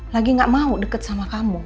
lagi gak mau deket sama kamu